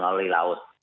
yang ada di laut